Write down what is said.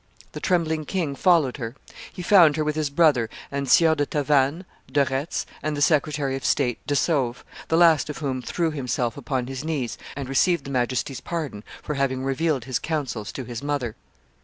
The trembling king followed her; he found her with his brother and Sieurs de Tavannes, de Retz, and the Secretary of State de Sauve, the last of whom threw himself upon his knees and received his Majesty's pardon for having revealed his counsels to his mother.